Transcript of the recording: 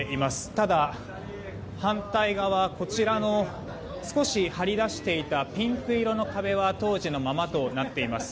ただ、反対側こちらの少し張り出していたピンク色の壁は当時のままとなっています。